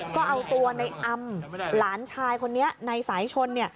ก็เอาตัวในอำหลานชายคนนี้ในสายชน